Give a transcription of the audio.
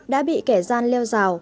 đã bị kẻ gian leo rào